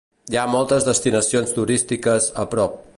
Hi ha moltes destinacions turístiques a prop.